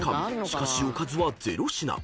しかしおかずは０品］